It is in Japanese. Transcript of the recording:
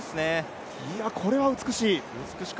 これは美しい。